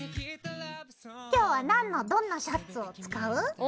今日は何のどんなシャツを使う？